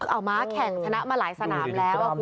เอ้ามาทางให้ค้น้ำมาหลายสนามแล้ว